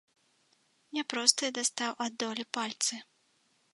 Не простыя дастаў ад долі пальцы.